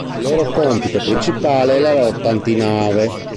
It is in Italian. Il loro compito principale è la lotta antinave.